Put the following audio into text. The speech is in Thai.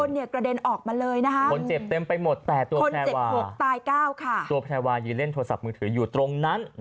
คนมันกระเด็นออกมาเลยคนเจ็บเต็มไปหมดแต่ตัวแพลวาอยู่เล่นโทรศัพท์มือถืออยู่ตรงนั้น